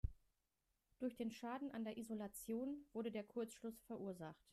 Durch den Schaden an der Isolation wurde der Kurzschluss verursacht.